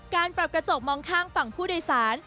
การปรับกระจกมองข้างฝั่งผู้โดยสาร